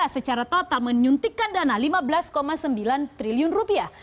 secara total menyuntikkan dana lima belas sembilan triliun rupiah